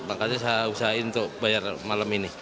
makanya saya usahakan untuk bayar malam ini